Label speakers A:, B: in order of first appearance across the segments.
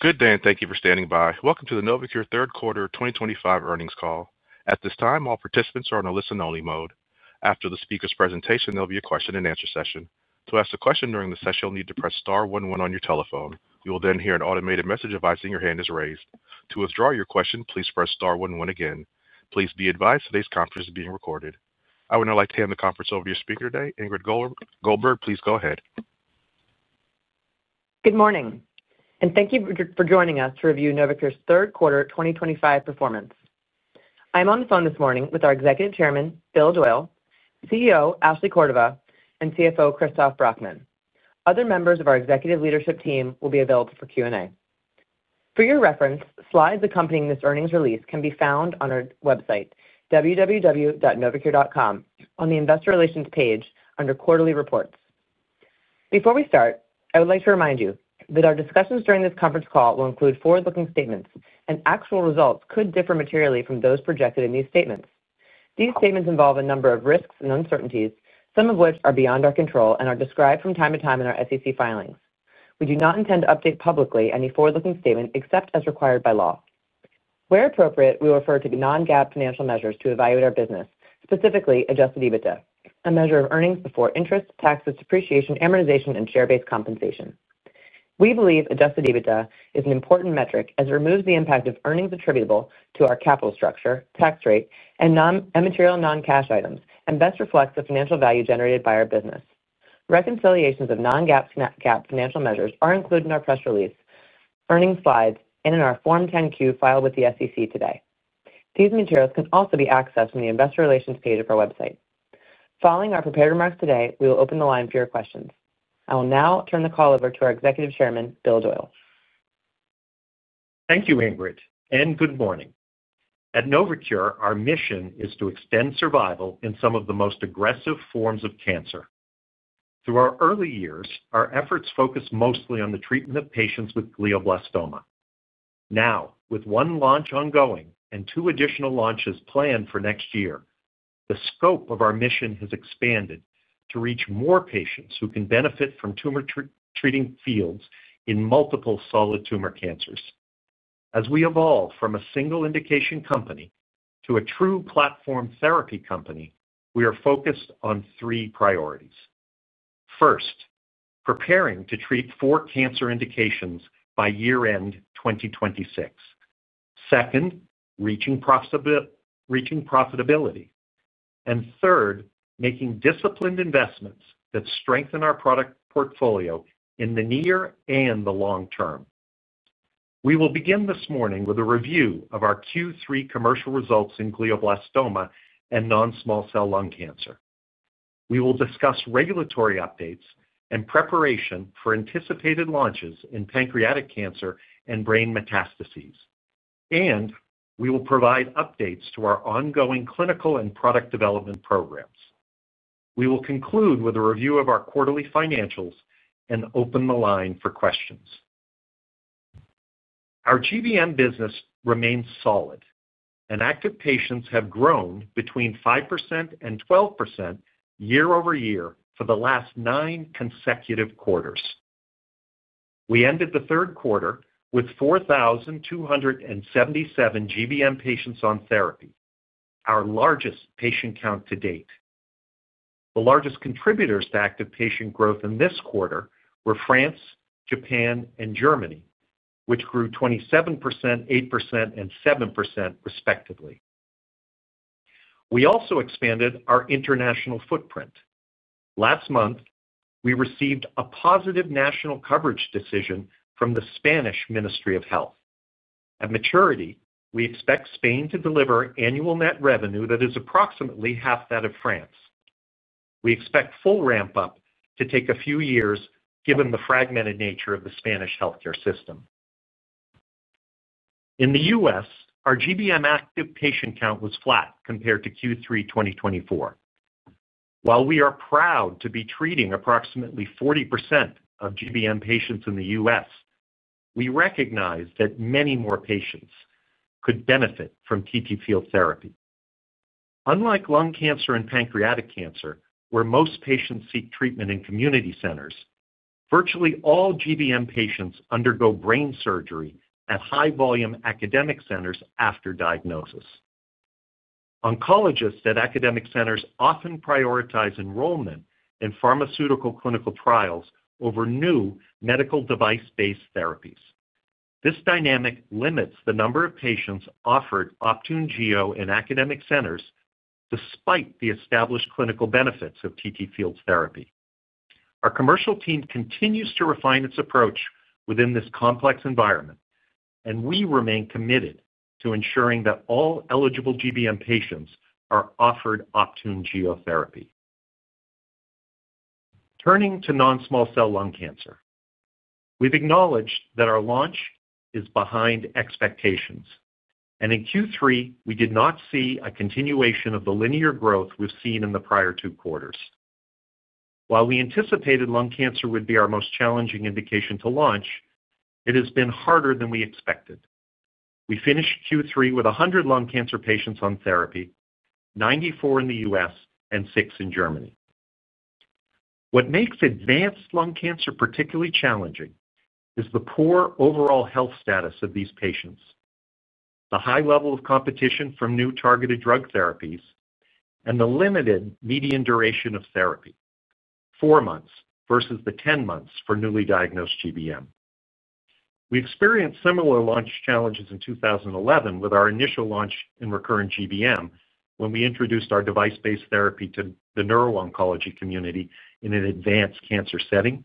A: Good day and thank you for standing by. Welcome to the Novocure third quarter 2025 earnings call. At this time, all participants are in a listen-only mode. After the speaker's presentation, there will be a question and answer session. To ask a question during the session, you'll need to press *11 on your telephone. You will then hear an automated message advising your hand is raised. To withdraw your question, please press *11 again. Please be advised today's conference is being recorded. I would now like to hand the conference over to your speaker today, Ingrid Goldberg. Please go ahead.
B: Good morning and thank you for joining us to review Novocure's third quarter 2025 performance. I'm on the phone this morning with our Executive Chairman Bill Doyle, CEO Ashley Cordova, and CFO Christoph Brackmann. Other members of our executive leadership team will be available for Q&A. For your reference, slides accompanying this earnings release can be found on our website www.novocure.com on the investor relations page under Quarterly Reports. Before we start, I would like to remind you that our discussions during this conference call will include forward-looking statements and actual results could differ materially from those projected in these statements. These statements involve a number of risks and uncertainties, some of which are beyond our control and are described from time to time in our SEC filings. We do not intend to update publicly any forward-looking statement except as required by law. Where appropriate, we will refer to the non-GAAP financial measures to evaluate our business, specifically Adjusted EBITDA, a measure of earnings before interest, taxes, depreciation, amortization, and share-based compensation. We believe Adjusted EBITDA is an important metric as it removes the impact of earnings attributable to our capital structure, tax rate, and immaterial non-cash items and best reflects the financial value generated by our business. Reconciliations of non-GAAP and GAAP financial measures are included in our press release, earnings slides, and in our Form 10-Q filed with the SEC today. These materials can also be accessed on the investor relations page of our website. Following our prepared remarks today, we will open the line for your questions. I will now turn the call over to our Executive Chairman Bill Doyle.
C: Thank you, Ingrid, and good morning. At Novocure, our mission is to extend survival in some of the most aggressive forms of cancer. Through our early years, our efforts focused mostly on the treatment of patients with glioblastoma. Now, with one launch ongoing and two additional launches planned for next year, the scope of our mission has expanded to reach more patients who can benefit from Tumor Treating Fields in multiple solid tumor cancers. As we evolve from a single indication company to a true platform oncology therapy provider, we are focused on three priorities. First, preparing to treat four cancer indications by year end 2026, second, reaching profitability, and third, making disciplined investments that strengthen our product portfolio in the near and the long term. We will begin this morning with a review of our Q3 commercial results in glioblastoma and non-small cell lung cancer. We will discuss regulatory updates and preparation for anticipated launches in pancreatic cancer and brain metastases, and we will provide updates to our ongoing clinical and product development programs. We will conclude with a review of our quarterly financials and open the line for questions. Our GBM business remains solid and active. Patients have grown between 5% and 12% year over year for the last nine consecutive quarters. We ended the third quarter with 4,277 GBM patients on therapy, our largest patient count to date. The largest contributors to active patient growth in this quarter were France, Japan, and Germany, which grew 27%, 8%, and 7% respectively. We also expanded our international footprint. Last month, we received a positive national coverage decision from the Spanish Ministry of Health. At maturity, we expect Spain to deliver annual net revenue that is approximately half that of France. We expect full ramp up to take a few years given the fragmented nature of the Spanish healthcare system. In the U.S., our GBM active patient count was flat compared to Q3 2024. While we are proud to be treating approximately 40% of GBM patients in the U.S., we recognize that many more patients could benefit from Tumor Treating Fields therapy. Unlike lung cancer and pancreatic cancer, where most patients seek treatment in community centers, virtually all GBM patients undergo brain surgery at high volume academic centers. After diagnosis, oncologists at academic centers often prioritize enrollment in pharmaceutical clinical trials over new medical device based therapies. This dynamic limits the number of patients offered Optune Geo in academic centers. Despite the established clinical benefits of Tumor Treating Fields therapy, our commercial team continues to refine its approach within this complex environment, and we remain committed to ensuring that all eligible GBM patients are offered Optune Geo therapy. Turning to non-small cell lung cancer, we've acknowledged that our launch is behind expectations, and in Q3 we did not see a continuation of the linear growth we've seen in the prior two quarters. While we anticipated lung cancer would be our most challenging indication to launch, it has been harder than we expected. We finished Q3 with 100 lung cancer patients on therapy, 94 in the U.S. and 6 in Germany. What makes advanced lung cancer particularly challenging is the poor overall health status of these patients, the high level of competition from new targeted drug therapies, and the limited median duration of therapy, four months versus the ten months for newly diagnosed GBM. We experienced similar launch challenges in 2011 with our initial launch in recurrent GBM when we introduced our device-based therapy to the neuro-oncology community in an advanced cancer setting.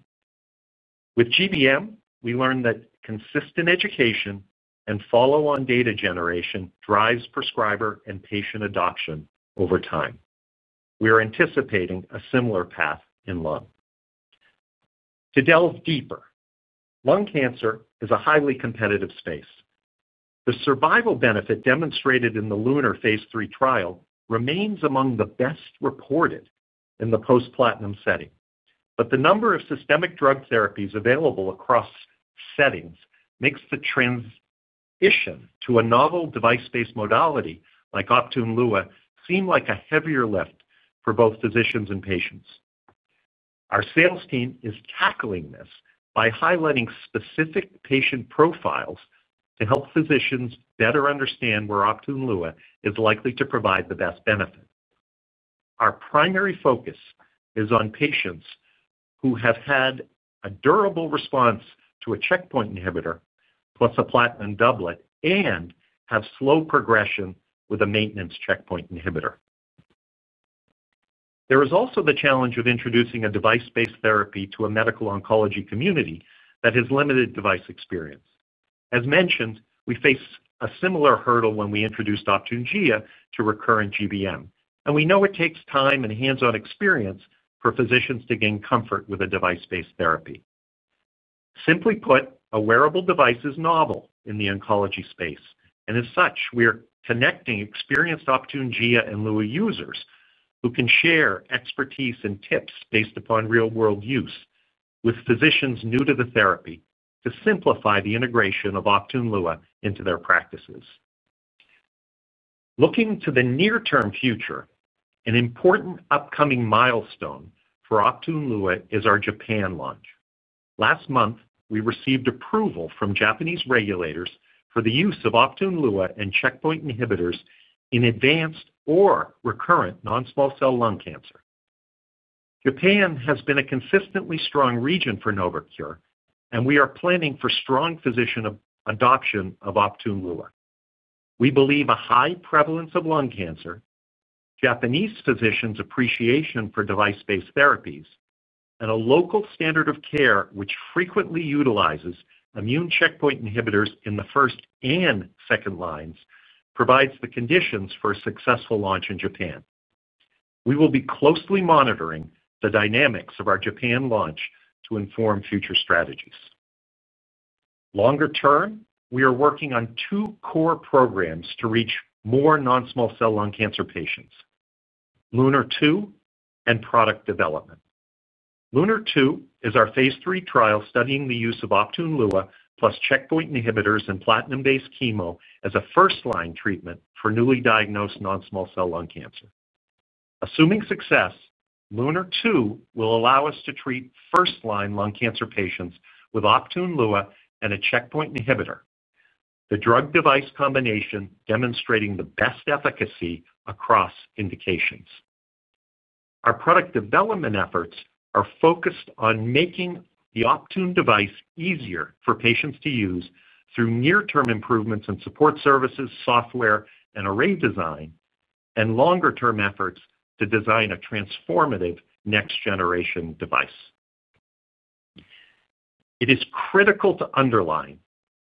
C: With GBM, we learned that consistent education and follow-on data generation drives prescriber and patient adoption over time. We are anticipating a similar path in lung. To delve deeper, lung cancer is a highly competitive space. The survival benefit demonstrated in the LUNAR Phase 3 trial remains among the best reported in the post-platinum setting, but the number of systemic drug therapies available across settings makes the transition to a novel device-based modality like Optune Lua seem like a heavier lift for both physicians and patients. Our sales team is tackling this by highlighting specific patient profiles to help physicians better understand where Optune Lua is likely to provide the best benefit. Our primary focus is on patients who have had a durable response to a checkpoint inhibitor plus a platinum doublet and have slow progression with a maintenance checkpoint inhibitor. There is also the challenge of introducing a device-based therapy to a medical oncology community that has limited device experience. As mentioned, we faced a similar hurdle when we introduced Optune Lua to recurrent GBM, and we know it takes time and hands-on experience for physicians to gain comfort with a device-based therapy. Simply put, a wearable device is novel in the oncology space, and as such, we are connecting experienced Optune and Optune Lua users who can share expertise and tips based upon real-world use with physicians new to the therapy to simplify the integration of Optune Lua into their practices. Looking to the near-term future, an important upcoming milestone for Optune Lua is our Japan launch. Last month, we received approval from Japanese regulators for the use of Optune Lua and checkpoint inhibitors in advanced or recurrent non-small cell lung cancer. Japan has been a consistently strong region for Novocure, and we are planning for strong physician adoption of Optune Lua. We believe a high prevalence of lung cancer, Japanese physicians' appreciation for device-based therapies, and a local standard of care which frequently utilizes immune checkpoint inhibitors in the first and second lines provides the conditions for a successful launch in Japan. We will be closely monitoring the dynamics of our Japan launch to inform future strategies. Longer term, we are working on two core programs to reach more non-small cell lung cancer patients, LUNAR-2 and product development. LUNAR-2 is our phase 3 trial studying the use of Optune Lua plus checkpoint inhibitors and platinum-based chemo as a first-line treatment for newly diagnosed non-small cell lung cancer. Assuming success, LUNAR-2 will allow us to treat first-line lung cancer patients with Optune Lua and a checkpoint inhibitor, the drug-device combination demonstrating the best efficacy across indications. Our product development efforts are focused on making the Optune device easier for patients to use through near-term improvements in support services, software, and array design, and longer-term efforts to design a transformative next-generation device. It is critical to underline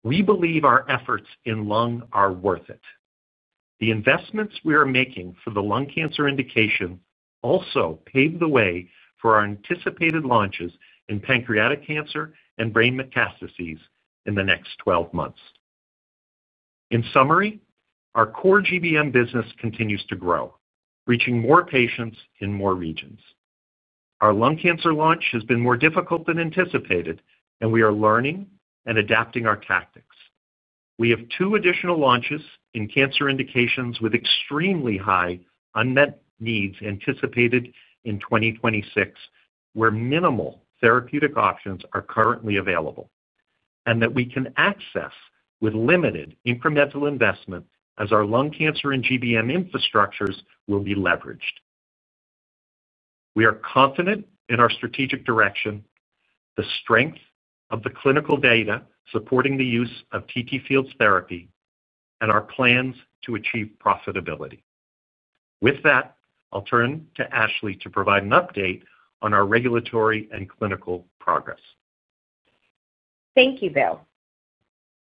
C: we believe our efforts in lung are worth it. The investments we are making for the lung cancer indication also paved the way for our anticipated launches in pancreatic cancer and brain metastases in the next 12 months. In summary, our core GBM business continues to grow, reaching more patients in more regions. Our lung cancer launch has been more difficult than anticipated, and we are learning and adapting our tactics. We have two additional launches in cancer indications with extremely high unmet needs anticipated in 2026, where minimal therapeutic options are currently available and that we can access with limited incremental investment. As our lung cancer and GBM infrastructures will be leveraged, we are confident in our strategic direction, the strength of the clinical data supporting the use of Tumor Treating Fields therapy, and our plans to achieve profitability. With that, I'll turn to Ashley to provide an update on our regulatory and clinical progress.
D: Thank you, Bill.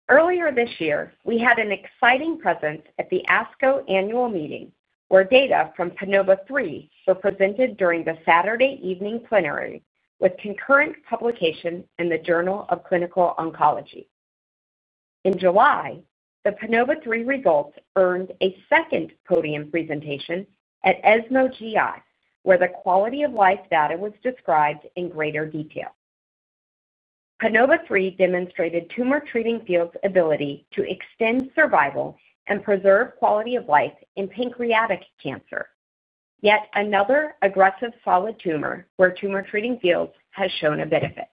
D: Earlier this year, we had an exciting presence at the ASCO Annual Meeting where data from PANOVA-3 were presented during the Saturday evening plenary with concurrent publication in the Journal of Clinical Oncology. In July, the PANOVA-3 results earned a second podium presentation at ESMO GI where the quality of life data was described in greater detail. PANOVA-3 demonstrated Tumor Treating Fields' ability to extend survival and preserve quality of life in pancreatic cancer, yet another aggressive solid tumor where Tumor Treating Fields has shown a benefit.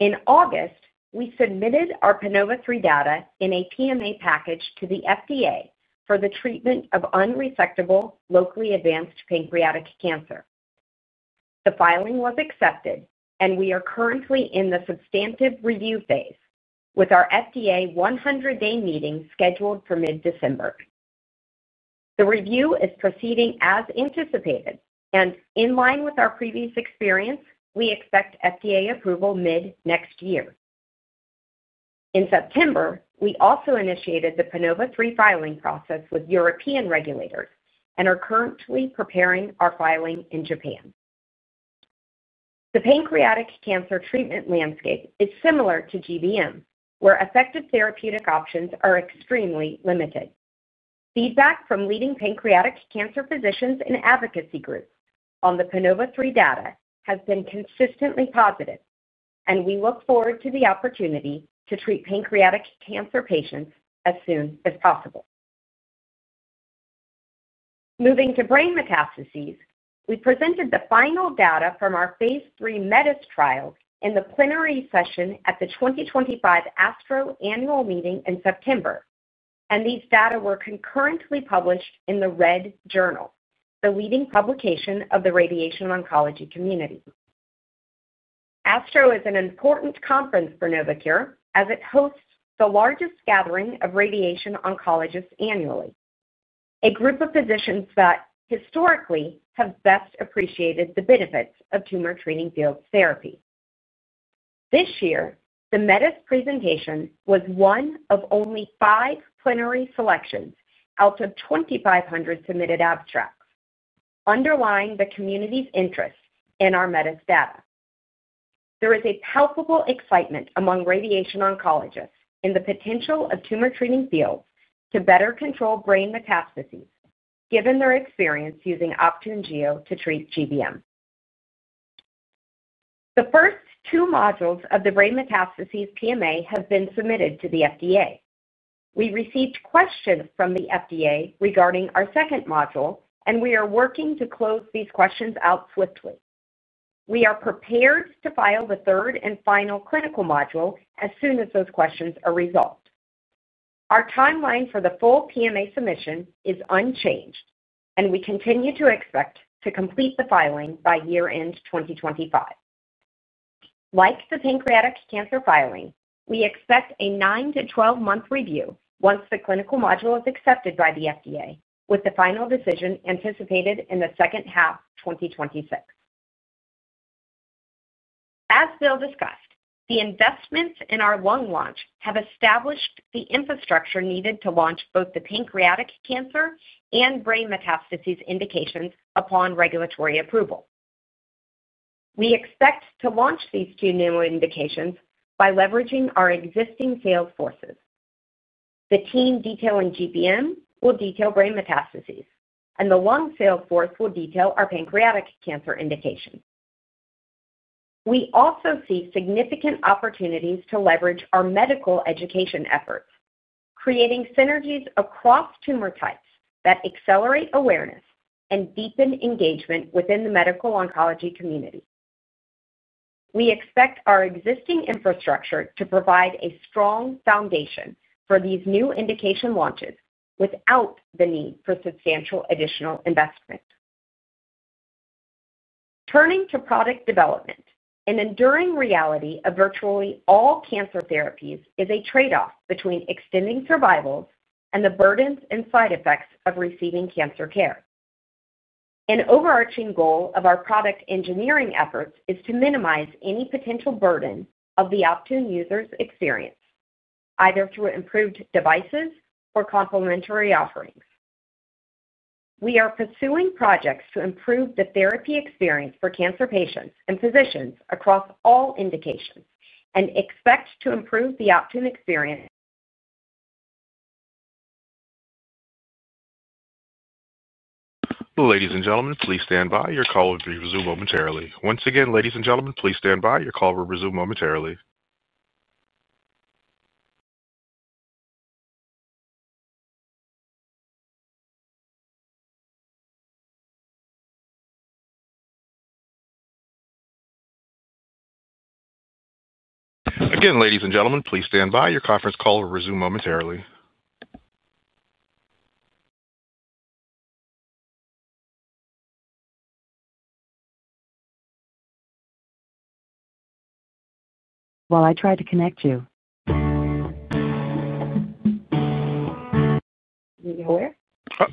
D: In August, we submitted our PANOVA-3 data in a PMA package to the FDA for the treatment of unresectable locally advanced pancreatic cancer. The filing was accepted, and we are currently in the substantive review phase with our FDA 100-day meeting scheduled for mid-December. The review is proceeding as anticipated and in line with our previous experience. We expect FDA approval mid next year. In September, we also initiated the PANOVA-3 filing process with European regulators and are currently preparing our filing in Japan. The pancreatic cancer treatment landscape is similar to GBM, where effective therapeutic options are extremely limited. Feedback from leading pancreatic cancer physicians and advocacy groups on the PANOVA-3 data has been consistently positive, and we look forward to the opportunity to treat pancreatic cancer patients as soon as possible. Moving to brain metastases, we presented the final data from our Phase 3 METIS trial in the plenary session at the 2025 ASTRO Annual Meeting in September, and these data were concurrently published in the Red Journal, the leading publication of the radiation oncology community. ASTRO is an important conference for Novocure as it hosts the largest gathering of radiation oncologists annually, a group of physicians that historically have best appreciated the benefits of Tumor Treating Fields therapy. This year, the METIS presentation was one of only five plenary selections out of 2,500 submitted abstracts, underlying the community's interest in our METIS data. There is a palpable excitement among radiation oncologists in the potential of Tumor Treating Fields to better control brain metastases given their experience using Optune to treat GBM. The first two modules of the brain metastasis PMA have been submitted to the FDA. We received questions from the FDA regarding our second module, and we are working to close these questions out swiftly. We are prepared to file the third and final clinical module as soon as those questions are resolved. Our timeline for the full PMA submission is unchanged and we continue to expect to complete the filing by year end 2025. Like the pancreatic cancer filing, we expect a 9-12 month review once the clinical module is accepted by the FDA, with the final decision anticipated in the second half 2026. As Bill Doyle discussed, the investments in our lung launch have established the infrastructure needed to launch both the pancreatic cancer and brain metastases indications. Upon regulatory approval, we expect to launch these two new indications by leveraging our existing sales forces. The team detailing GBM will detail brain metastases and the lung sales force will detail our pancreatic cancer indication. We also see significant opportunities to leverage our medical education efforts, creating synergies across tumor types that accelerate awareness and deepen engagement within the medical oncology community. We expect our existing infrastructure to provide a strong foundation for these new indication launches without the need for substantial additional investment. Turning to Product Development, an enduring reality of virtually all cancer therapies is a trade off between extending survival and the burdens and side effects of receiving cancer care. An overarching goal of our product engineering efforts is to minimize any potential burden of the Optune user's experience, either through improved devices or complementary offerings. We are pursuing projects to improve the therapy experience for cancer patients and physicians across all indications and expect to improve the Optune experience.
A: Ladies and gentlemen, please stand by. Your call will be resumed momentarily. Once again, ladies and gentlemen, please stand by. Your call will resume momentarily. Again, ladies and gentlemen, please stand by. Your conference call will resume momentarily.
D: While I tried to connect you.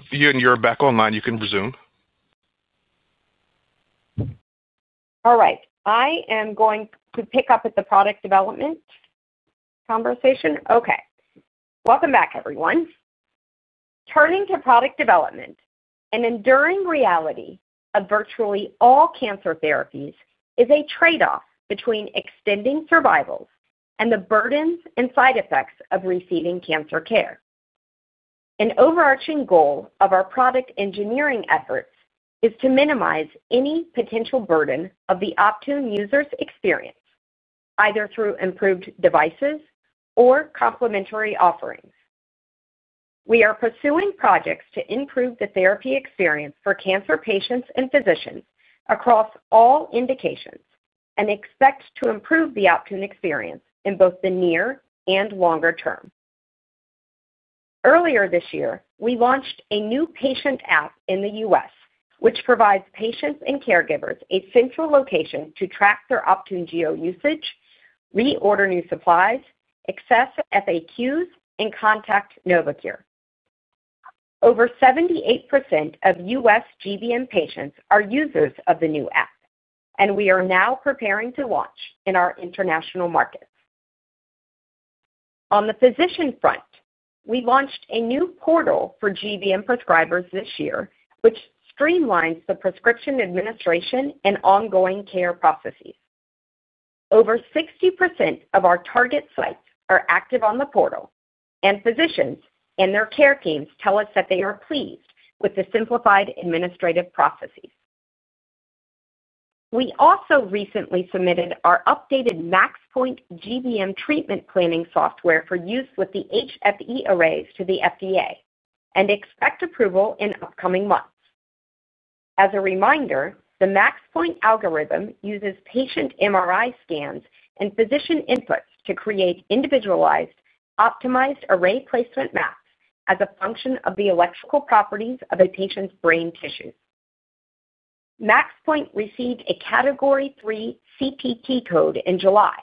A: You're back online, you can resume.
D: All right, I am going to pick up at the product development conversation. Okay, welcome back everyone. Turning to Product Development, an enduring reality of virtually all cancer therapies is a trade off between extending survival and the burdens and side effects of receiving cancer care. An overarching goal of our product engineering efforts is to minimize any potential burden of the Optune user's experience, either through improved devices or complementary offerings. We are pursuing projects to improve the therapy experience for cancer patients and physicians across all indications and expect to improve the Optune experience in both the near and longer term. Earlier this year we launched a new patient app in the U.S. which provides patients and caregivers a central location to track their Optune GEO usage, reorder new supplies, access FAQs, and contact Novocure. Over 78% of U.S. GBM patients are users of the new app and we are now preparing to launch in our international markets. On the physician front, we launched a new portal for GBM prescribers this year which streamlines the prescription administration and ongoing care processes. Over 60% of our target sites are active on the portal and physicians and their care teams tell us that they are pleased with the simplified administrative processes. We also recently submitted our updated MaxPoint GBM treatment planning software for use with the HFE arrays to the FDA and expect approval in upcoming months. As a reminder, the MaxPoint algorithm uses patient MRI scans and physician inputs to create individualized optimized array placement maps as a function of the electrical properties of a patient's brain tissue. MaxPoint received a Category 3 CPT code in July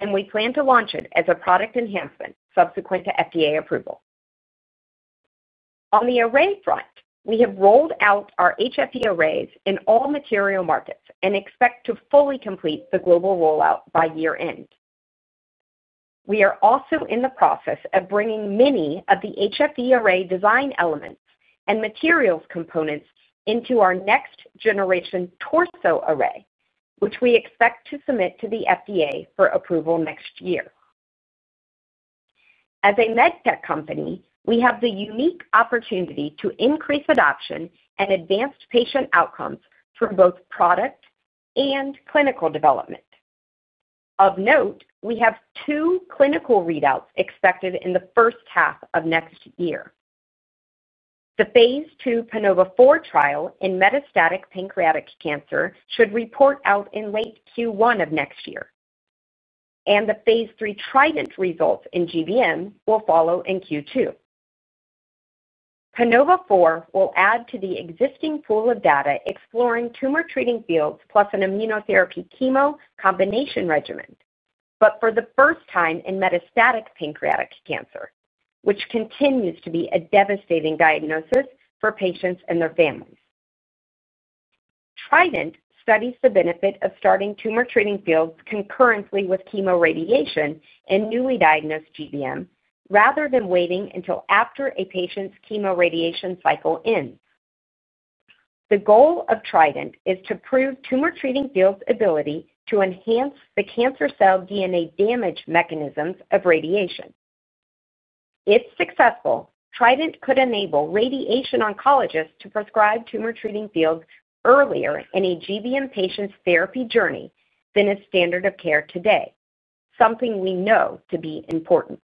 D: and we plan to launch it as a product enhancement subsequent to FDA approval. On the array front, we have rolled out our HFE arrays in all material markets and expect to fully complete the global rollout by year end. We are also in the process of bringing many of the HFE array design elements and materials components into our next generation torso array, which we expect to submit to the FDA for approval next year. As a medtech company, we have the unique opportunity to increase adoption and advance patient outcomes for both product and clinical development. Of note, we have two clinical readouts expected in the first half of next year. The Phase 2 PANOVA-3 trial in metastatic pancreatic cancer should report out in late Q1 of next year, and the Phase 3 TRIDENT results in GBM will follow in Q2. PANOVA-3 will add to the existing pool of data exploring Tumor Treating Fields plus an immunotherapy chemo combination regimen, for the first time in metastatic pancreatic cancer, which continues to be a devastating diagnosis for patients and their families. TRIDENT studies the benefit of starting Tumor Treating Fields concurrently with chemoradiation in newly diagnosed GBM rather than waiting until after a patient's chemoradiation cycle ends. The goal of TRIDENT is to prove Tumor Treating Fields' ability to enhance the cancer cell DNA damage mechanisms of radiation. If successful, TRIDENT could enable radiation oncologists to prescribe Tumor Treating Fields earlier in a GBM patient's therapy journey than its standard of care today, something we know to be important.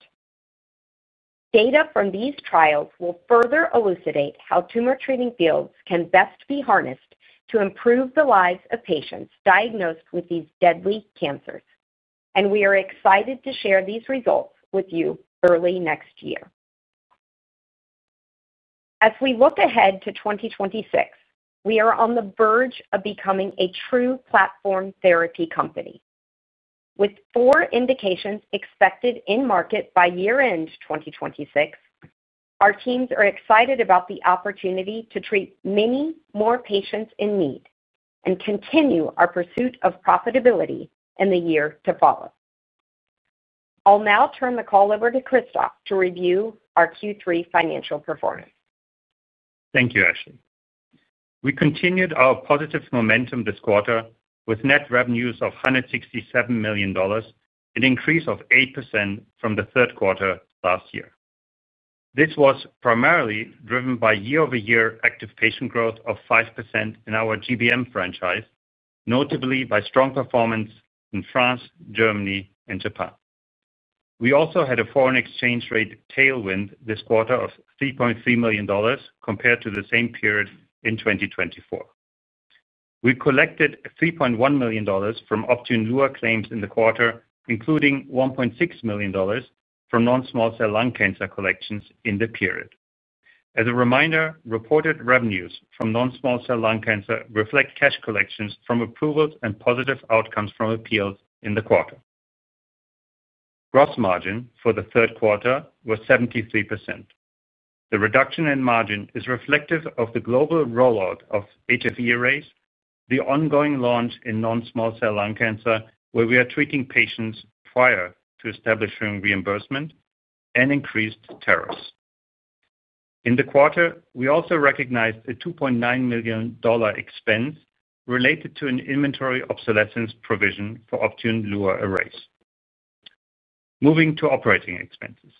D: Data from these trials will further elucidate how Tumor Treating Fields can best be harnessed to improve the lives of patients diagnosed with these deadly cancers, and we are excited to share these results with you early next year. As we look ahead to 2026, we are on the verge of becoming a true platform oncology therapy provider with four indications expected in market by year end 2026. Our teams are excited about the opportunity to treat many more patients in need and continue our pursuit of profitability in the year to follow. I'll now turn the call over to Christoph Brackmann to review our Q3 financial performance.
E: Thank you, Ashley. We continued our positive momentum this quarter with net revenues of $167 million, an increase of 8% from the third quarter last year. This was primarily driven by year-over-year active patient growth of 5% in our GBM franchise, notably by strong performance in France, Germany, and Japan. We also had a foreign exchange rate tailwind this quarter of $3.3 million compared to the same period in 2024. We collected $3.1 million from Optune Lua claims in the quarter, including $1.6 million from non-small cell lung cancer collections in the period. As a reminder, reported revenues from non-small cell lung cancer reflect cash collections from approvals and POS from appeals in the quarter. Gross margin for the third quarter was 73%. The reduction in margin is reflective of the global rollout of HFE arrays, the ongoing launch in non-small cell lung cancer where we are treating patients prior to establishing reimbursement, and increased tariffs in the quarter. We also recognized a $2.9 million expense related to an inventory obsolescence provision for Optune Lua arrays. Moving to operating expenses,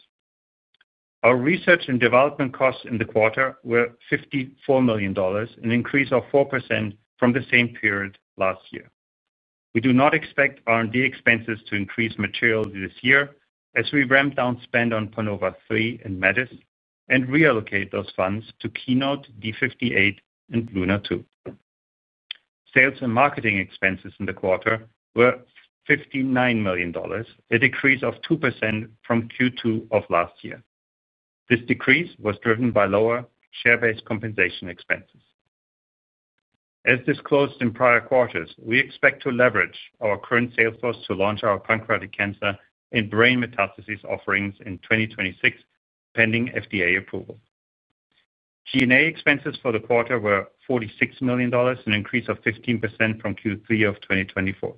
E: our research and development costs in the quarter were $54 million, an increase of 4% from the same period last year. We do not expect R&D expenses to increase materially this year as we ramp down spend on PANOVA-3 and METIS and reallocate those funds to Keynote D58 and LUNAR-2. Sales and marketing expenses in the quarter were $59 million, a decrease of 2% from Q2 of last year. This decrease was driven by lower share-based compensation expenses as disclosed in prior quarters. We expect to leverage our current salesforce to launch our pancreatic cancer and brain metastases offerings in 2026 pending FDA approval. G&A expenses for the quarter were $46 million, an increase of 15% from Q3 of 2024.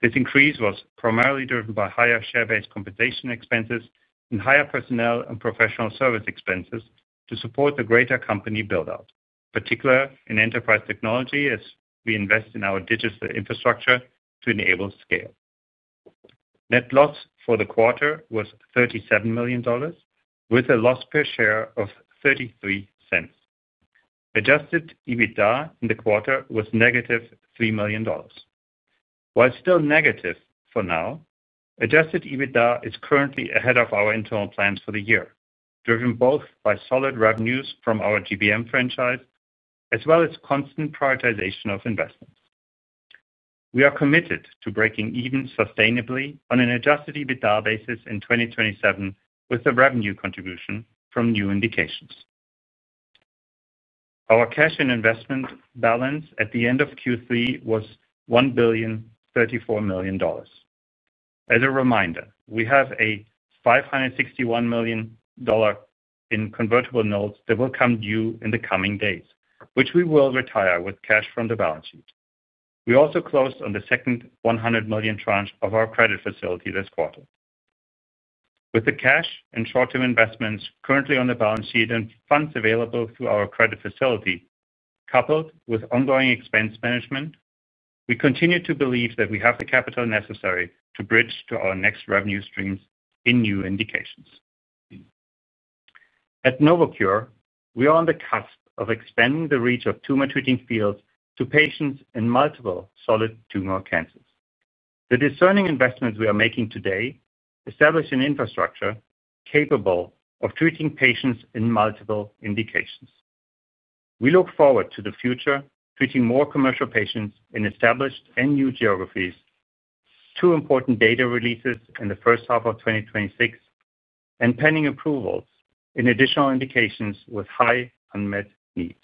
E: This increase was primarily driven by higher share-based compensation expenses and higher personnel and professional service expenses to support the greater company buildout, particularly in enterprise technology as we invest in our digital infrastructure to enable scale. Net loss for the quarter was $37 million with a loss per share of $0.33. Adjusted EBITDA in the quarter was negative $3 million. While still negative for now, Adjusted EBITDA is currently ahead of our internal plans for the year, driven both by solid revenues from our GBM franchise as well as constant prioritization of investments. We are committed to breaking even sustainably on an Adjusted EBITDA basis in 2027 with the revenue contribution from new indications. Our cash and investment balance at the end of Q3 was $1.034 billion. As a reminder, we have $561 million in convertible notes that will come due in the coming days, which we will retire with cash from the balance sheet. We also closed on the second $100 million tranche of our credit facility this quarter. With the cash and short-term investments currently on the balance sheet and funds available through our credit facility, coupled with ongoing expense management, we continue to believe that we have the capital necessary to bridge to our next revenue streams in new indications. At Novocure, we are on the cusp of expanding the reach of Tumor Treating Fields to patients in multiple solid tumor cancers. The discerning investments we are making today establish an infrastructure capable of treating patients in multiple indications. We look forward to the future treating more commercial patients in established and new geographies, two important data releases in the first half of 2026, and pending approvals in additional indications with high unmet need,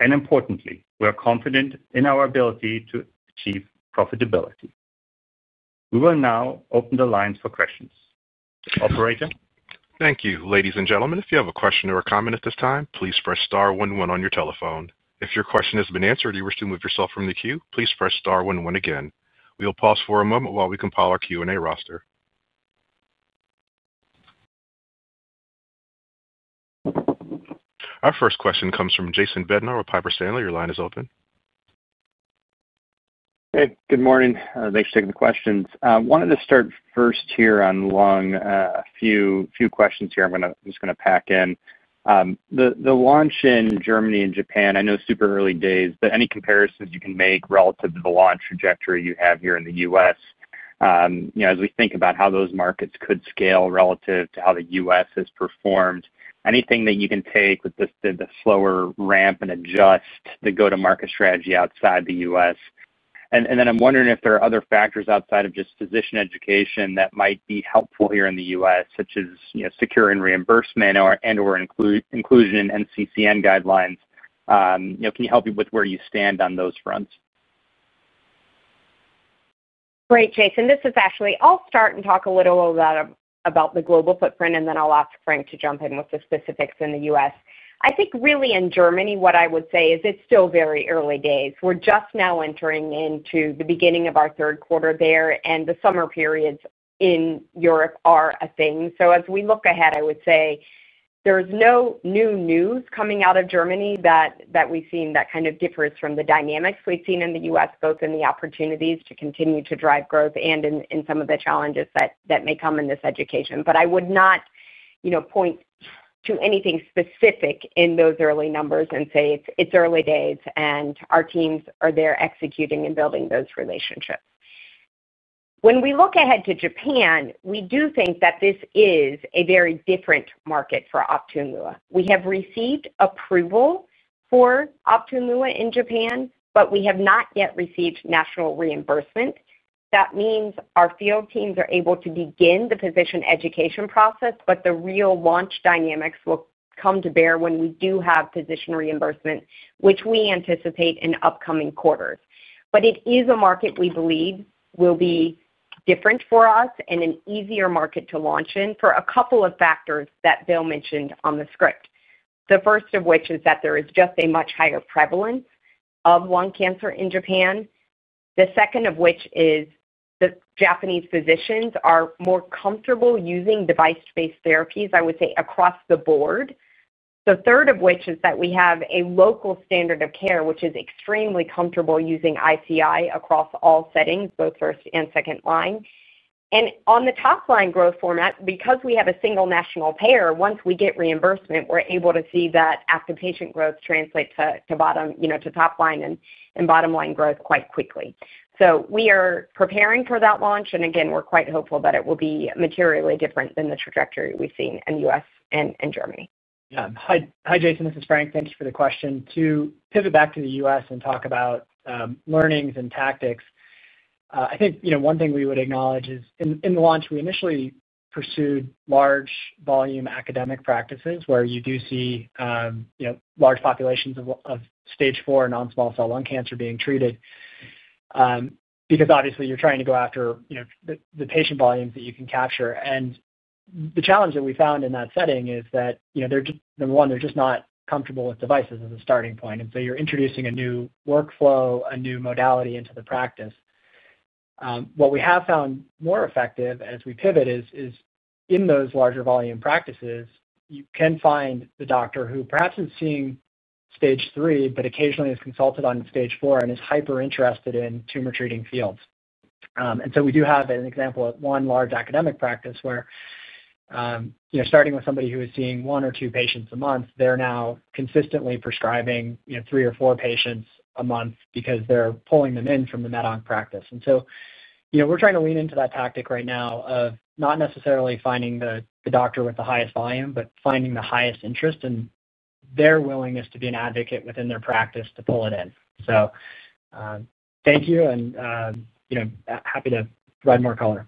E: and importantly, we are confident in our ability to achieve profitability. We will now open the lines for questions. Operator.
A: Thank you, ladies and gentlemen. If you have a question or a comment at this time, please press *1 1 on your telephone. If your question has been answered or you wish to remove yourself from the queue, please press *1 1 again. We will pause for a moment while we compile our Q&A roster. Our first question comes from Jason Bednar with Piper Sandler. Your line is open.
F: Good morning. Thanks for taking the questions. I wanted to start first here on Lung. A few questions here. I'm just going to pack in the launch in Germany and Japan. I know super early days, but any comparisons you can make relative to the launch trajectory you have here in the U.S. as we think about how those markets could scale relative to how the U.S. has performed, anything that you can take with the slower ramp and adjust the go-to-market strategy outside the U.S., and then I'm wondering if there are other factors outside of just physician education that might be helpful here in the U.S., such as securing reimbursement and/or inclusion in NCCN guidelines. Can you help with where you stand on those fronts?
D: Great. Jason, this is Ashley. I'll start and talk a little about the global footprint and then I'll ask Frank to jump in with the specifics. In the U.S., I think really in Germany what I would say is it's still very early days. We're just now entering into the beginning of our third quarter there, and the summer periods in Europe are a thing. As we look ahead, I would say there's no new news coming out of Germany that we've seen. That kind of differs from the dynamics we've seen in the U.S., both in the opportunities to continue to drive growth and in some of the challenges that may come in this education. I would not point to anything specific in those early numbers and say it's early days, and our teams are there executing and building those relationships. When we look ahead to Japan, we do think that this is a very different market for Optune Lua. We have received approval for Optune Lua in Japan, but we have not yet received national reimbursement. That means our field teams are able to begin the physician education process, but the real launch dynamics will come to bear when we do have physician reimbursement, which we anticipate in upcoming quarters. It is a market we believe will be different for us and an easier market to launch in for a couple of factors that Bill mentioned on the script. The first of which is that there is just a much higher prevalence of lung cancer in Japan. The second of which is the Japanese physicians are more comfortable using device-based therapies, I would say across the board. The third of which is that we have a local standard of care which is extremely comfortable using ICI across all settings, both first and second line and on the top line growth format. Because we have a single national payer, once we get reimbursement, we're able to see that active patient growth trigger translate to top line and bottom line growth quite quickly. We are preparing for that launch, and again we're quite hopeful that it will be materially different than the trajectory we've seen in the U.S. and Germany.
G: Hi Jason, this is Frank. Thank you for the question to pivot back to the U.S. and talk about learnings and tactics. I think one thing we would acknowledge is in the launch we initially pursued large volume academic practices where you do see large populations of stage 4 non-small cell lung cancer being treated because obviously you're trying to go after the patient volumes that you can capture. The challenge that we found in that setting is that, number one, they're just not comfortable with devices as a starting point. You're introducing a new workflow, a new modality into the practice. What we have found more effective as we pivot is in those larger volume practices you can find the doctor who perhaps is seeing stage 3, but occasionally is consulted on stage 4 and is hyper interested in Tumor Treating Fields. We do have an example at one large academic practice where, starting with somebody who is seeing one or two patients a month, they're now consistently prescribing three or four patients a month because they're pulling them in from the med onc practice. We're trying to lean into that tactic right now of not necessarily finding the doctor with the highest volume, but finding the highest interest and their willingness to be an advocate within their practice to pull it in. Thank you and happy to provide more color.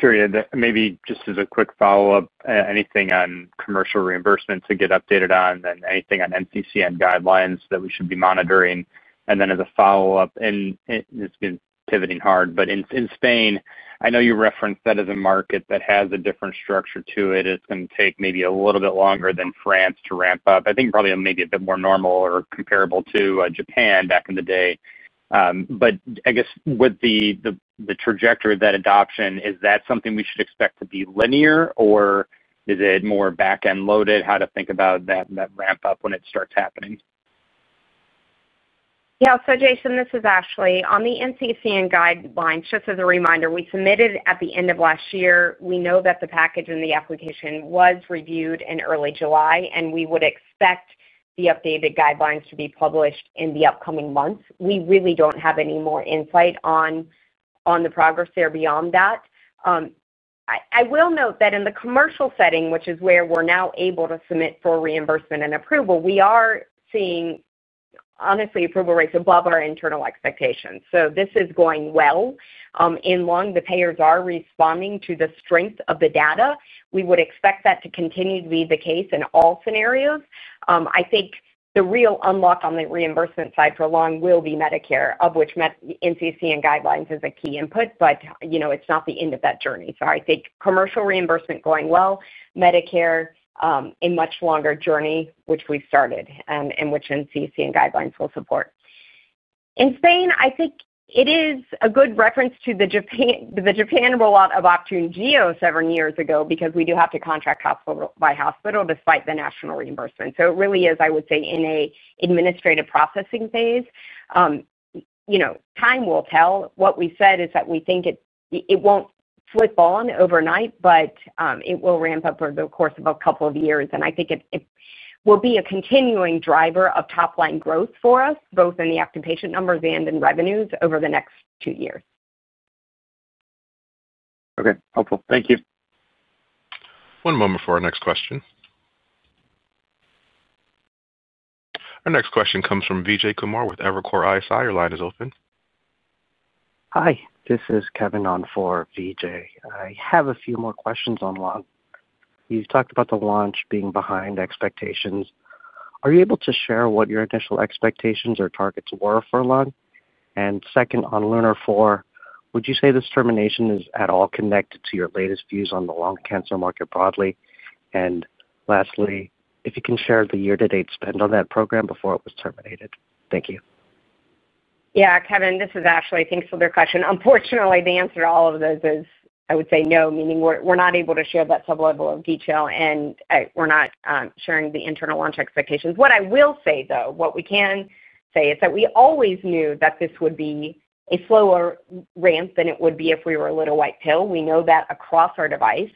F: Terry, maybe just as a quick follow-up, anything on commercial reimbursement to get updated on, and anything on NCCN guidelines that we should be monitoring? As a follow-up, it's been pivoting hard. In Spain, I know you referenced that as a market that has a different structure to it. It's going to take maybe a little bit longer than France to ramp up. I think probably maybe a bit more normal or comparable to Japan back in the day. But I guess with the trajectory of that adoption, is that something we should expect to be linear, or is it more back end loaded? How to think about that ramp up when it starts happening.
D: Yeah. Jason, this is Ashley on the NCCN guidelines. Just as a reminder, we submitted at the end of last year. We know that the package and the application was reviewed in early July, and we would expect the updated guidelines to be published in the upcoming months. We really don't have any more insight on the progress there beyond that. I will note that in the commercial setting, which is where we're now able to submit for reimbursement and approval, we are seeing honestly approval rates above our internal expectations. This is going well in lung. The payers are responding to the strength of the data. We would expect that to continue to be the case in all scenarios. I think the real unlock on the reimbursement side for lung will be Medicare, of which NCCN guidelines is a key input. It's not the end of that journey. I think commercial reimbursement is going well, Medicare is a much longer journey which we started and which NCCN guidelines will support. In Spain, I think it is a good reference to the Japan rollout of Optune Lua seven years ago because we do have to contract hospital by hospital despite the national reimbursement. It really is, I would say, in an administrative processing phase. Time will tell. What we said is that we think it won't be overnight, but it will ramp up over the course of a couple of years, and I think it will be a continuing driver of top line growth for us both in the active patient numbers and in revenues over the next two years.
F: Okay, helpful, thank you.
A: One moment for our next question. Our next question comes from Vijay Kumar with Evercore ISI, your line is open.
H: Hi, this is Kevin on for Vijay. I have a few more questions on lung. You talked about the launch being behind expectations. Are you able to share what your initial expectations or targets were for lung? Second, on LUNAR-2, would you say this termination is at all connected to your latest views on the lung cancer market broadly? Lastly, if you can share the year-to-date spend on that program before it was terminated. Thank you.
D: Yeah, Kevin, this is Ashley. Thanks for the question. Unfortunately, the answer to all of those is I would say no, meaning we're not able to share that sub level of detail and we're not sharing the internal launch expectations. What I will say, though, what we can say is that we always knew that this would be a slower ramp than it would be if we were a little white pill. We know that across our device,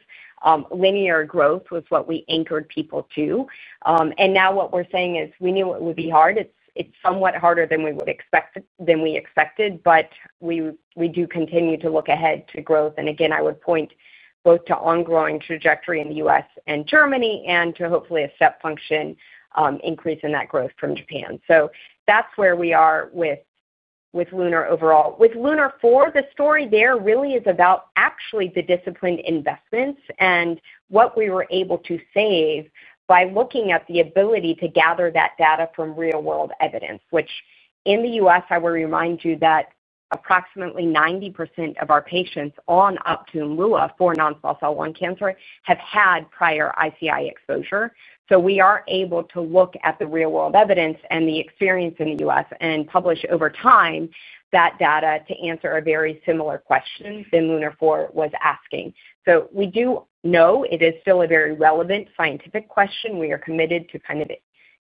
D: linear growth was what we anchored people to. Now what we're saying is we knew it would be hard. It's somewhat harder than we expected, but we do continue to look ahead to growth, and again I would point both to ongoing trajectory in the U.S. and Germany and to hopefully a step function increase in that growth from Japan. That's where we are with LUNAR overall. With LUNAR-4, the story there really is about actually the disciplined investments and what we were able to save by looking at the ability to gather that data from real-world evidence, which in the U.S., I will remind you that approximately 90% of our patients on Optune Lua for non-small cell lung cancer have had prior ICI exposure. We are able to look at the real-world evidence and the experience in the U.S. and publish over time that data to answer a very similar question that LUNAR-4 was asking. We do know it is still a very relevant scientific question. We are committed to kind of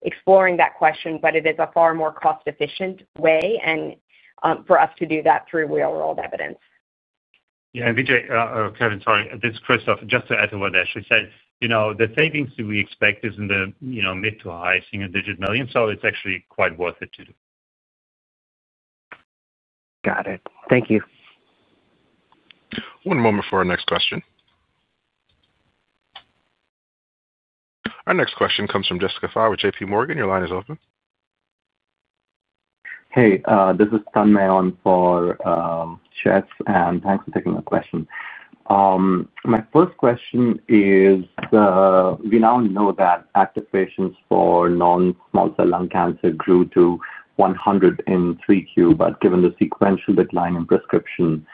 D: exploring that question, but it is a far more cost-efficient way for us to do that through real-world evidence.
E: Yeah, Vijay, Kevin, sorry, this is Christoph. Just to add to what Ashley said, the savings we expect is in the mid to high single-digit million. It's actually quite worth it to do.
H: Got it. Thank you.
A: One moment for our next question. Our next question comes from Jessica Fye with JPMorgan. Your line is open. Hey, this is Tanmay on for Jess, and thanks for taking a question. My first question is we now know that activations for non-small cell lung cancer grew to 100 in 3Q, but given the sequential decline in prescription,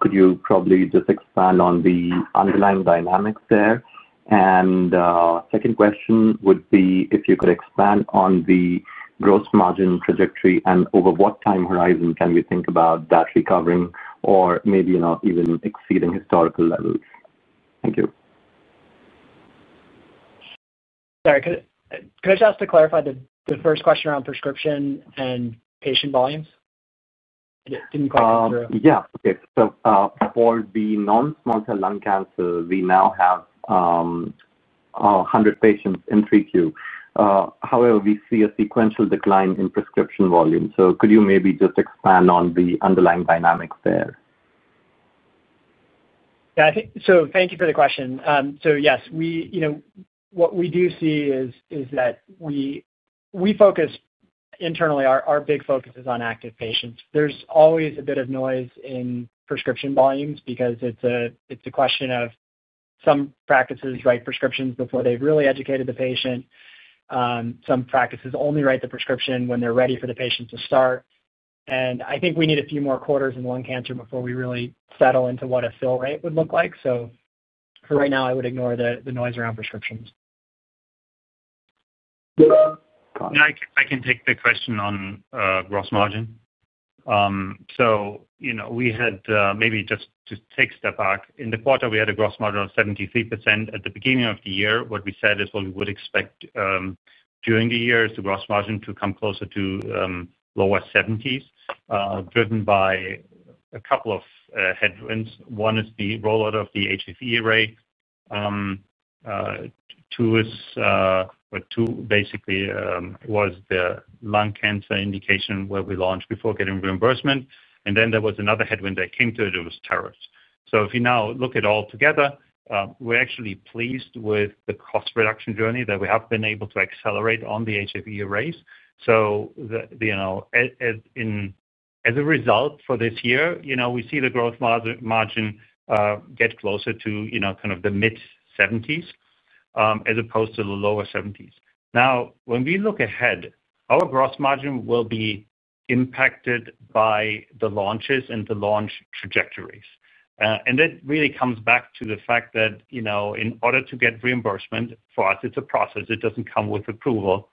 A: could you probably just expand on the underlying dynamics there? My second question would be if you could expand on the gross margin trajectory and over what time horizon can we think about that recovering or maybe not even exceeding historical levels? Thank you.
G: Sorry, could I just ask to clarify the first question around prescription and patient volumes? Yeah. Okay. For the non-small cell lung cancer, we now have 100 patients in 3Q. However, we see a sequential decline in prescription volume. Could you maybe just expand on the underlying dynamics there? Thank you for the question. Yes, what we do see is that we focus internally. Our big focus is on active patients. There's always a bit of noise in prescription volumes because it's a question of some practices write prescriptions before they've really educated the patient. Some practices only write the prescription when they're ready for the patient to start. I think we need a few more quarters in lung cancer before we really settle into what a fill rate would look like. For right now I would ignore the noise around prescriptions.
E: I can take the question on gross margin. We had, maybe just to take a step back, in the quarter we had a gross margin of 73% at the beginning of the year. What we said is what we would expect during the year is the gross margin to come closer to lower 70s, driven by a couple of headwinds. One is the rollout of the HFE arrays. Two basically was the lung cancer indication where we launched before getting reimbursement. Then there was another headwind that came to it was tariffs. If you now look at it all together, we're actually pleased with the cost reduction journey that we have been able to accelerate on the HFE arrays. So as a result, for this year, we see the gross margin get closer to kind of the mid-70% as opposed to the lower-70%. Now, when we look ahead, our gross margin will be impacted by the launches and the launch trajectories. That really comes back to the fact that in order to get reimbursement, for us, it's a process, it doesn't come with approval.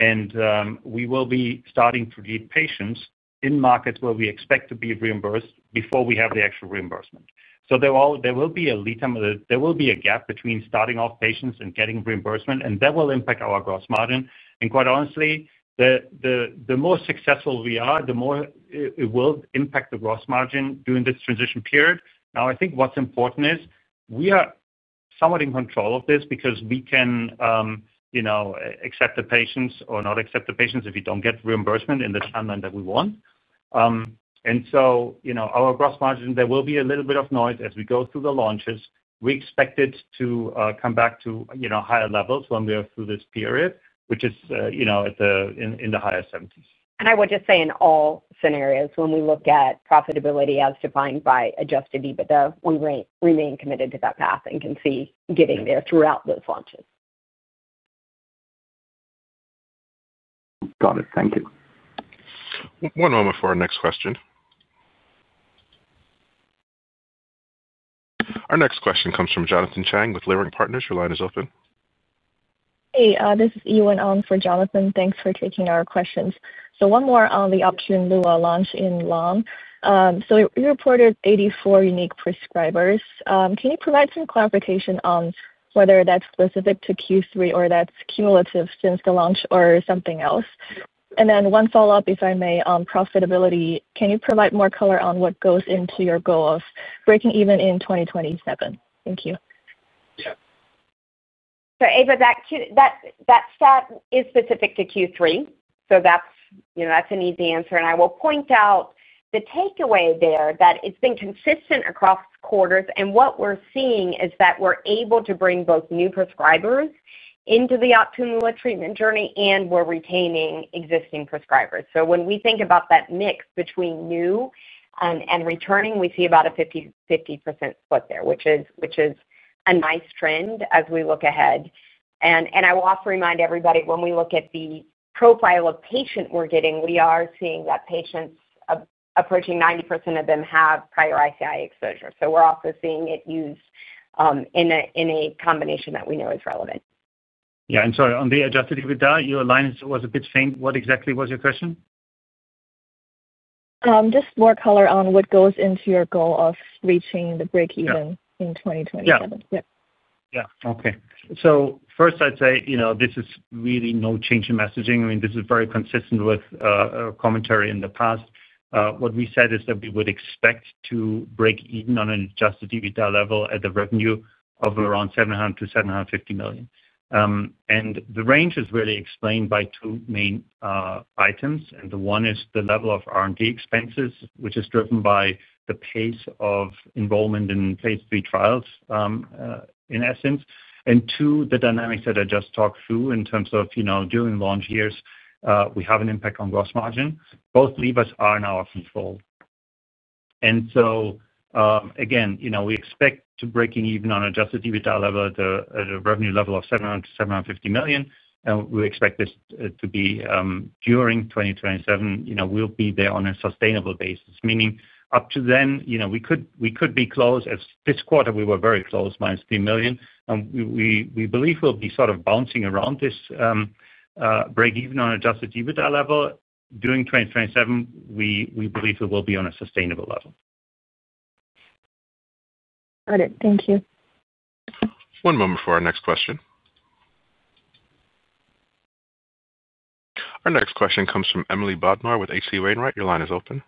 E: We will be starting to read patients in markets where we expect to be reimbursed before we have the actual reimbursement. There will be a gap between starting off patients and getting reimbursement. That will impact our gross margin. Quite honestly, the more successful we are, the more it will impact the gross margin during this transition period. I think what's important is we are somewhat in control of this because we can accept the patients or not accept the patients if you don't get reimbursement in the timeline that we want. Our gross margin, there will be a little bit of noise as we go through the launches. We expect it to come back to higher levels when we are through this period, which is in the higher 70%.
D: I would just say in all scenarios, when we look at profitability as defined by Adjusted EBITDA, we remain committed to that path and can see getting there throughout those launches. Got it. Thank you.
A: One moment for our next question. Our next question comes from Jonathan Chang with Leerink Partners. Your line is open.
I: Hey, this is Yiwen Zhang for Jonathan. Thanks for taking our questions. One more on the Optune Lua launch in lung. You reported 84 unique prescribers. Can you provide some clarification on whether that's specific to Q3 or that's cumulative since the launch or something else? One follow-up, if I may, on profitability. Can you provide more color on what goes into your goal of breaking even in 2027? Thank you.
D: So Yiwen that stat is specific to Q3, so that's an easy answer. I will point out the takeaway there, that it's been consistent across quarters. What we're seeing is that we're able to bring both new prescribers into the Optune Lua treatment journey and we're retaining existing prescribers. When we think about that mix between new and returning, we see about a 50% split there, which is a nice trend as we look ahead. I will often remind everybody, when we look at the profile of patient we're getting, we are seeing that patients, approaching 90% of them, have prior ICI exposure. We're also seeing it used in a combination that we know is relevant.
E: Yeah. Sorry, on the Adjusted EBITDA, your line was a bit faint. What exactly was your question?
I: Just more color on what goes into your goal of reaching the break even in 2027.
E: This is really no change in messaging. I mean, this is very consistent with commentary in the past. What we said is that we would expect to break even on an Adjusted EBITDA level at the revenue of around $700-$750 million. The range is really explained by two main items. One is the level of R&D expenses, which is driven by the pace of enrollment in phase 3 trials, in essence. Two, the dynamics that I just talked through in terms of during launch years, we have an impact on gross margin. Both levers are now in our control. Again, we expect to break even on Adjusted EBITDA level at a revenue level of $700-$750 million. We expect this to be during 2027. We'll be there on a sustainable basis, meaning up to then we could be close. This quarter we were very close, minus $3 million. We believe we'll be sort of bouncing around this break even on Adjusted EBITDA level during 2027. We believe it will be on a sustainable level.
I: Got it. Thank you.
A: One moment for our next question. Our next question comes from Emily Bodnar with H.C. Wainwright. Your line is open.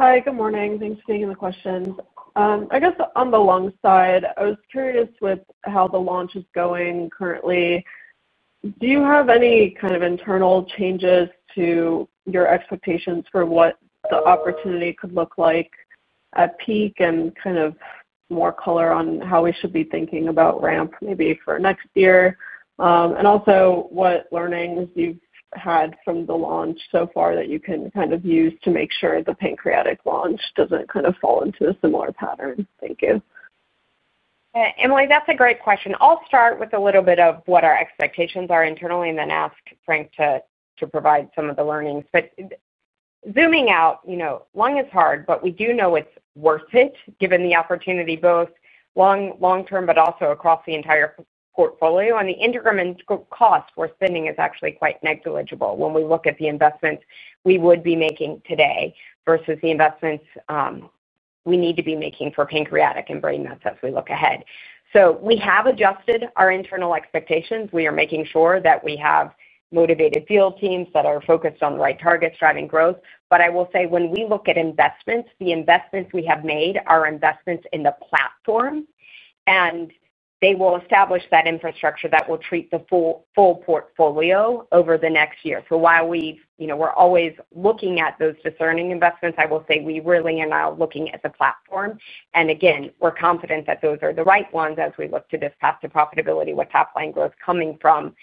J: Hi, good morning. Thanks for taking the question. I guess on the long side, I was curious with how the launch is going currently. Do you have any kind of internal changes to your expectations for what the opportunity could look like at peak and kind of more color on how we should be thinking about ramp maybe for next year and also what learnings you've had from the launch so far that you can kind of use to make sure the pancreatic launch doesn't kind of fall into a similar pattern. Thank you.
D: Emily. That's a great question. I'll start with a little bit of what our expectations are internally and then ask Frank to provide some of the learnings. Zooming out, long is hard, but we do know it's worth it given the opportunity, both long term but also across the entire facility portfolio. The interment cost for spending is actually quite negligible when we look at the investments we would be making today versus the investments we need to be making for pancreatic and brain metastases as we look ahead. We have adjusted our internal expectations. We are making sure that we have motivated field teams that are focused on the right targets driving growth. I will say when we look at investments, the investments we have made are investments in the platform and they will establish that infrastructure that will treat the full portfolio over the next year. While we're always looking at those discerning investments, I will say we really are now looking at the platform and again, we're confident that those are the right ones as we look to this path to profitability with top line growth coming from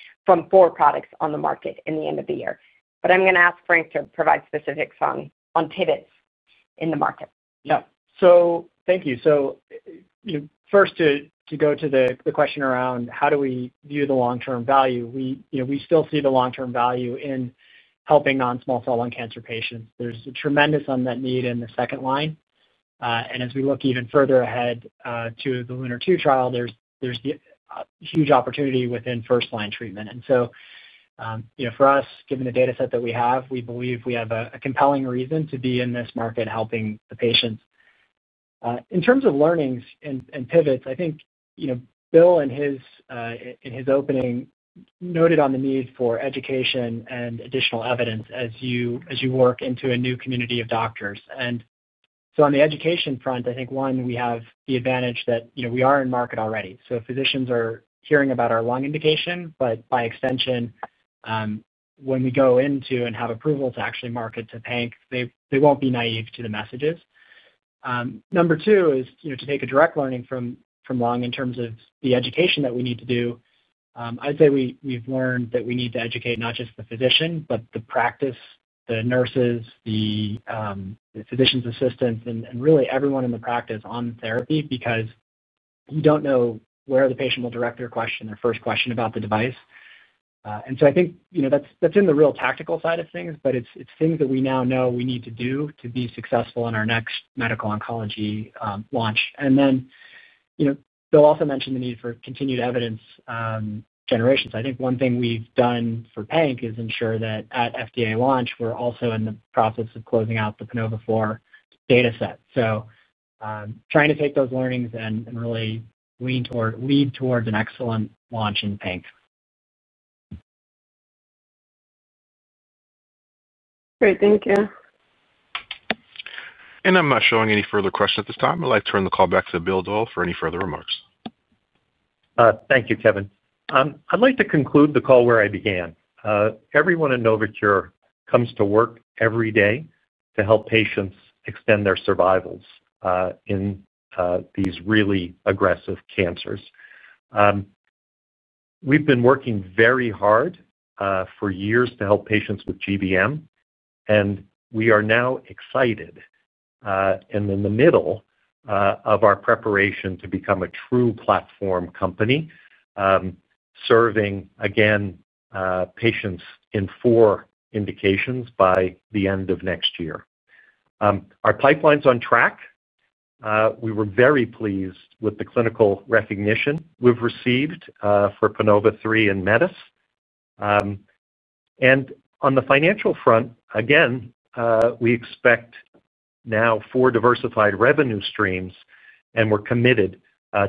D: four products on the market in the end of the year. I'm going to ask Frank to provide specifics on pivots in the market.
G: Thank you. First, to go to the question around how do we view the long term value? We still see the long term value in helping non-small cell lung cancer patients. There's a tremendous unmet need in the second line. As we look even further ahead to the LUNAR-2 trial, there's huge opportunity within first line treatment. For us, given the data set that we have, we believe we have a compelling reason to be in this market helping the patients. In terms of learnings and pivots, I think Bill in his opening noted the need for education and additional evidence as you work into a new community of doctors. On the education front, I think, one, we have the advantage that we are in market already, so physicians are hearing about our lung indication. By extension, when we go into and have approval to actually market to PANOVA, they won't be naive to the messages. Number two is to take a direct learning from lung in terms of the education that we need to do. I'd say we've learned that we need to educate not just the physician, but the practice, the nurses, the physician's assistants, and really everyone in the practice on therapy because you don't know where the patient will direct their question, their first question about the device. I think that's in the real tactical side of things, but it's things that we now know we need to do to be successful in our next medical oncology launch. Bill also mentioned the need for continued evidence generation. I think one thing we've done for PANOVA is ensure that at FDA launch, we're also in the process of closing out the PANOVA-3 data set. Trying to take those learnings and really lead towards an excellent launch in PANOVA.
J: Great. Thank you.
A: I am not showing any further questions at this time. I would like to turn the call back to Bill Doyle for any further remarks.
C: Thank you, Kevin. I'd like to conclude the call where I began. Everyone in Novocure comes to work every day to help patients extend their survivals in these really aggressive cancers. We've been working very hard for years to help patients with GBM, and we are now excited and in the middle of our preparation to become a true platform company serving again patients in four indications by the end of next year. Our pipeline's on track. We were very pleased with the clinical recognition received for PANOVA-3 and METIS. On the financial front, again, we expect now four diversified revenue streams and we're committed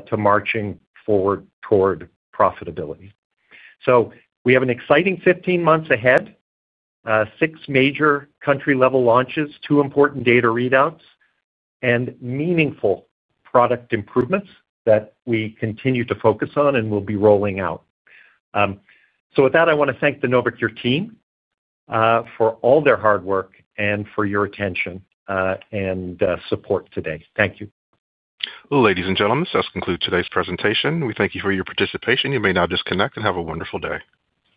C: to marching forward toward profitability. We have an exciting 15 months ahead. Six major country level launches, two important data readouts, and meaningful product improvements that we continue to focus on and will be rolling out. With that, I want to thank the Novocure team for all their hard work and for your attention and support today. Thank you.
A: Ladies and gentlemen, that concludes today's presentation. We thank you for your participation. You may now disconnect and have a wonderful day.